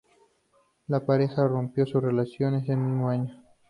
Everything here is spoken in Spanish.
La pareja rompió su relación ese mismo año.